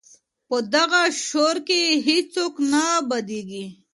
په دغه شور کي هیڅوک نه بېدېږي.